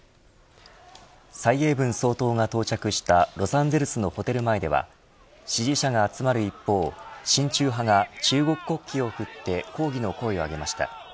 蔡英文総統が到着したロサンゼルスのホテル前では支持者が集まる一方、親中派が中国国旗を振って抗議の声を上げました。